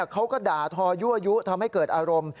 เขาก็ด่าทอยั่วยุทำให้เกิดอารมณ์